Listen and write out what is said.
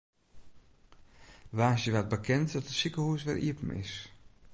Woansdei waard bekend dat it sikehûs wer iepen is.